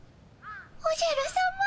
おじゃるさま。